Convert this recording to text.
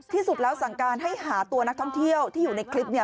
ที่สุดแล้วสั่งการให้หาตัวนักท่องเที่ยวที่อยู่ในคลิปเนี่ย